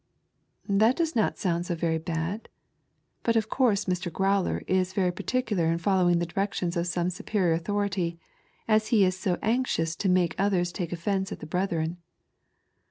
^^^K "That does not sound so very had. But of ^^^B course Mr. Growler is very particular in following the ^^^B directions of some saperior authority, as ha is so ^^^M anxious to make others take offence at the hrethren."